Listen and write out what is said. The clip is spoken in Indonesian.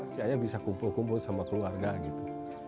saya hanya bisa kumpul kumpul sama keluarga gitu